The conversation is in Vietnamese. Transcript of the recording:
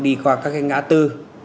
đi qua các cái ngã tư